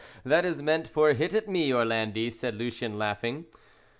"That is meant for a hit at me, Orlandi," said Lucien, laughing.